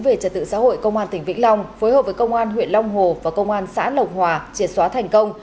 về trật tự xã hội công an tỉnh vĩnh long phối hợp với công an huyện long hồ và công an xã lộc hòa triệt xóa thành công